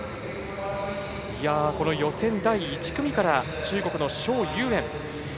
この予選第１組から中国の蒋裕燕が。